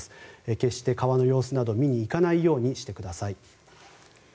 決して、川の様子など見に行かないようにしてください。